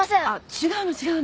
違うの違うの。